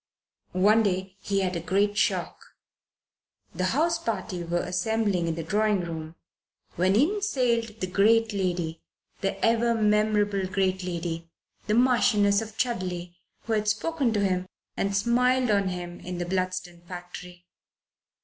One day he had a great shock. The house party were assembling in the drawing room, when in sailed the great lady, the ever memorable great lady, the Marchioness of Chudley, who had spoken to him and smiled on him in the Bludston factory.